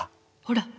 ほら。